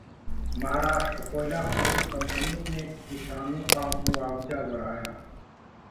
महाराष्ट्र: कोयला खनन कम्पनी ने किसानों का मुआवजा बढ़ाया